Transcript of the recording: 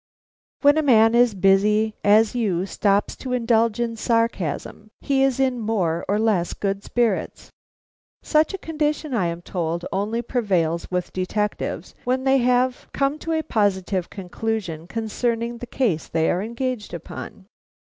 "When a man as busy as you stops to indulge in sarcasm, he is in more or less good spirits. Such a condition, I am told, only prevails with detectives when they have come to a positive conclusion concerning the case they are engaged upon."